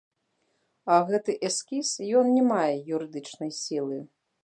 А гэты эскіз, ён не мае юрыдычнай сілы.